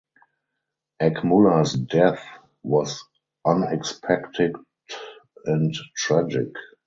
Akmulla’s death was unexpected and tragic.